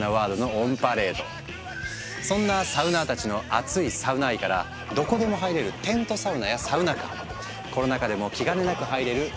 そんなサウナーたちのアツいサウナ愛からどこでも入れる「テントサウナ」や「サウナカー」コロナ禍でも気兼ねなく入れる「ソロサウナ」